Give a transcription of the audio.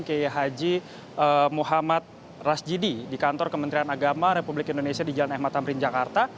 kayak haji muhammad rasjidi di kantor kementerian agama republik indonesia di jalan ehmatamrin jakarta